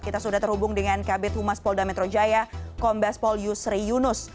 kita sudah terhubung dengan kabit humas polda metro jaya kombes pol yusri yunus